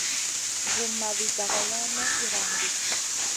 Zumma vi dagalawn may iyran ɗi.